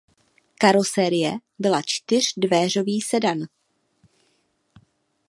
Karoserie byla čtyřdveřový sedan.